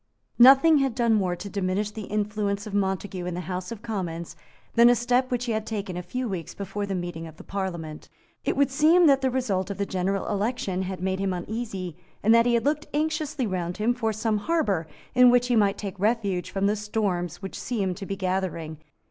Nothing had done more to diminish the influence of Montague in the House of Commons than a step which he had taken a few weeks before the meeting of the Parliament. It would seem that the result of the general election had made him uneasy, and that he had looked anxiously round him for some harbour in which he might take refuge from the storms which seemed to be gathering.